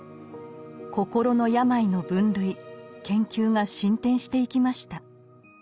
心の病の分類研究が進展していきました。